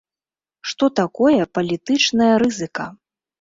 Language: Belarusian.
Што такое палітычная рызыка?